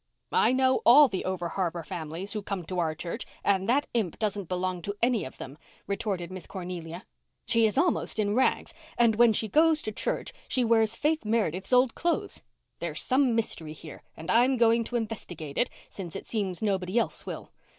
"I know all the over harbour families who come to our church and that imp doesn't belong to any of them," retorted Miss Cornelia. "She is almost in rags and when she goes to church she wears Faith Meredith's old clothes. There's some mystery here, and I'm going to investigate it, since it seems nobody else will.